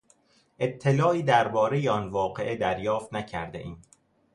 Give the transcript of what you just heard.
اطلاعی دربارهی آن واقعه دریافت نکردهایم.